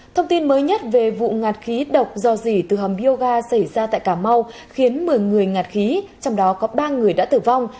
thông tin mới nhất về vụ ngạt khí độc do dỉ từ hầm yoga xảy ra tại cà mau khiến một mươi người ngạt khí trong đó có ba người đã tử vong